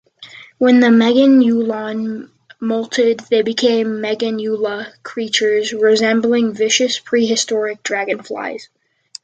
When the Meganulon moulted they became Meganula, creatures resembling vicious prehistoric dragonflies.